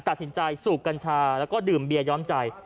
ตัดสินใจสูบกัญชาแล้วก็ดื่มเบียย้อมใจ